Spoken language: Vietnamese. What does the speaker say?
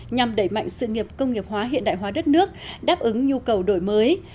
nhằm đẩy mạnh sự nghiệp công nghiệp hóa hiện đại hóa đất nước đáp ứng nhu cầu đổi mới